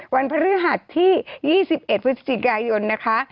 วันพฤหัสที่๒๑พฤศจิกายนนะคะ